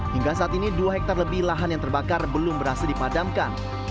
hingga saat ini dua hektare lebih lahan yang terbakar belum berhasil dipadamkan